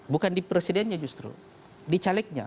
bukan di presidennya justru di calegnya